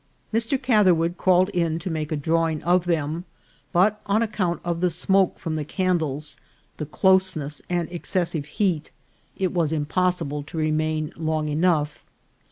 . Mr. Catherwood crawled in to make a draw ing of them, but, on account of the smoke from the can dles, the closeness, and excessive heat, it was impossi ble to remain long enough.